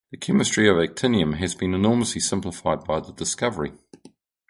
The chemistry of actinium has been enormously simplified by the discovery.